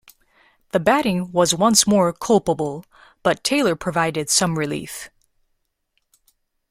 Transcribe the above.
The batting was once more culpable, but Taylor provided some relief.